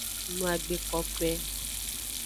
No agbe kokoe.